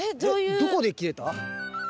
どこで切れた？